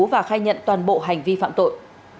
và khai nhận toàn bộ hành vi phạm tội